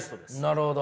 なるほど。